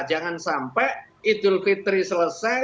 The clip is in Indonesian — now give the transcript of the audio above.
jangan sampai idul fitri selesai